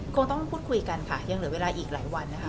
คงต้องพูดคุยกันค่ะยังเหลือเวลาอีกหลายวันนะคะ